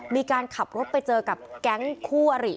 มีการขับรถไปเจอกับแก๊งคู่อริ